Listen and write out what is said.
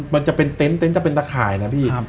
มันจะเป็นเต็นต์จะเป็นตะข่ายนะพี่